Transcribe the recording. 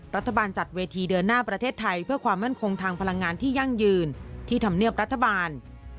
รัฐบาลจัดเวทีเดินหน้าประเทศไทยเพื่อความมั่นคงทางพลังงานที่ยั่งยืนที่ธรรมเนียบรัฐบาล